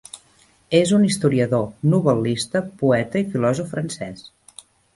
És un historiador, novel·lista, poeta i filòsof francès.